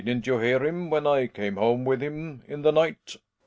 Didn't you hear him when I came home with him in the night